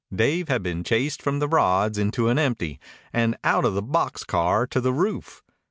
Dave had been chased from the rods into an empty and out of the box car to the roof.